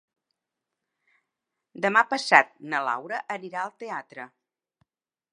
Demà passat na Laura anirà al teatre.